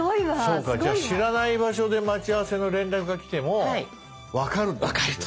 そうかじゃあ知らない場所で待ち合わせの連絡が来ても分かるってこと。